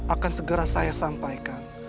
akan segera saya sampaikan